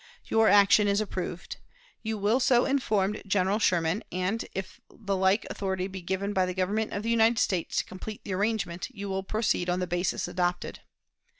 Your action is approved. You will so inform General Sherman; and, if the like authority be given by the Government of the United States to complete the arrangement, you will proceed on the basis adopted.